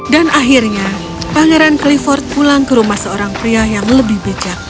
dan akhirnya pangeran clifford pulang ke rumah seorang pria yang lebih bijak